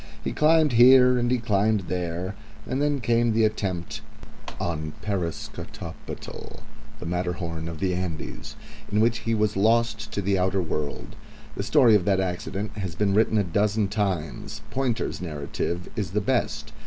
He climbed here and he climbed there, and then came the attempt on Parascotopetl, the Matterhorn of the Andes, in which he was lost to the outer world. The story of the accident has been written a dozen times. Pointer's narrative is the best.